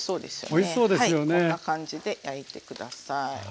はいこんな感じで焼いて下さい。